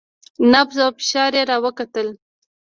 نبض او فشار يې راوکتل.